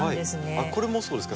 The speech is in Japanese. これもそうですか？